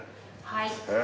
はい。